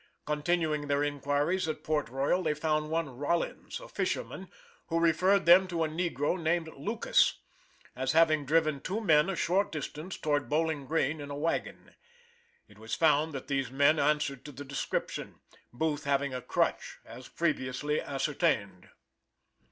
Continuing their inquiries at Port Royal, they found one Rollins a fisherman, who referred them to a negro named Lucas, as having driven two men a short distance toward Bowling Green in a wagon. It was found that these men answered to the description, Booth having a crutch as previously ascertained.